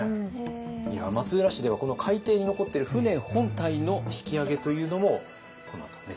松浦市ではこの海底に残っている船本体の引き揚げというのもこのあと目指すと。